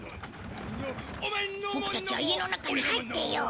ボクたちは家の中に入っていよう。